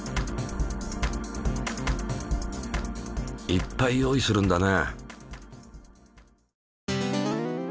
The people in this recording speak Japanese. いっぱい用意するんだね。